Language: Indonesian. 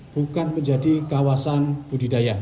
bukan menjadi kawasan budidaya